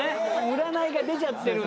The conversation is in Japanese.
占いが出ちゃってるんで。